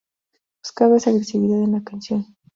Buscaba esa agresividad en la canción"".